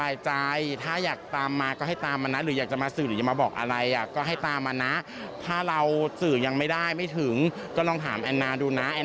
ยังไม่ได้ไม่ถึงก็ลองถามแอนาดูนะ